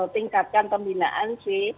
tingkatkan pembinaan sih